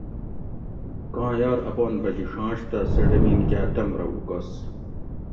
کاں یار اپان بگِیݭانش تہ سٞہ ڈمِین کاٞ تٞم رہ اُکس